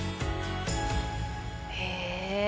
へえ。